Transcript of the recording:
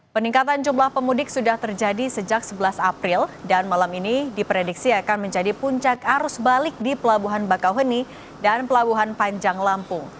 peningkatan jumlah pemudik sudah terjadi sejak sebelas april dan malam ini diprediksi akan menjadi puncak arus balik di pelabuhan bakauheni dan pelabuhan panjang lampung